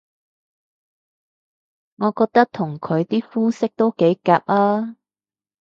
我覺得同佢啲膚色都幾夾吖